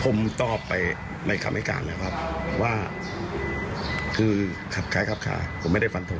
ผมตอบไปในคำให้การแล้วครับว่าคือขับคล้ายขับขาผมไม่ได้ฟันทง